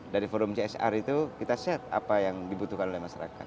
dari forum csr itu kita set apa yang dibutuhkan oleh masyarakat